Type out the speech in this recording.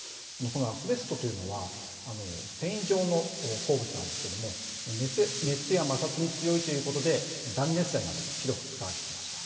このアスベストというのは繊維状の鉱物なんですけれども熱や摩擦に強いということで断熱材などに広く使われてきました。